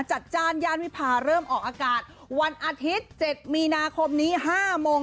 จ้านย่านวิพาเริ่มออกอากาศวันอาทิตย์๗มีนาคมนี้๕โมง